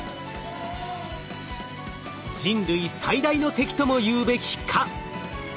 人類最大の敵ともいうべき蚊。